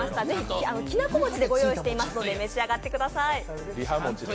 きなこ餅でご用意していますのでお召し上がりください。